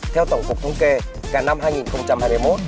theo tổng cục thống kê cả năm hai nghìn hai mươi một